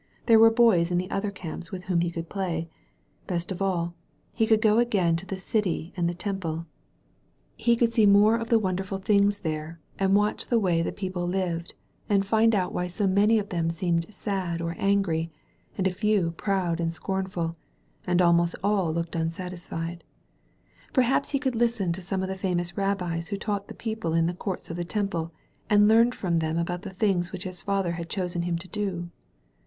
There were boys in the other camps with whom he could play. Best of all, he could go again to the city and the Temple. He could see more of the wonderful things there, 287 THE VALLEY OP VISION and watch the way the people lived, and find out why so many of them seemed sad or angry, and a few proud and scornful, and almost all looked un satisfied. Peihaps he could listen to some of the famous rabbis who taught the people in the courts of the Temple and learn from them about the things which his Father had chosen him to do.